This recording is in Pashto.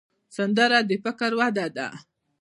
سندره د فکر وده ده